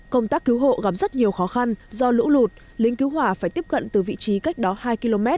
công tác cứu hộ gặp rất nhiều khó khăn do lũ lụt lính cứu hỏa phải tiếp cận từ vị trí cách đó hai km